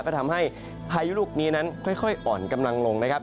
ก็ทำให้พายุลูกนี้นั้นค่อยอ่อนกำลังลงนะครับ